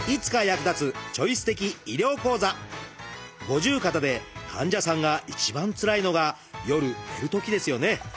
五十肩で患者さんが一番つらいのが夜寝るときですよね。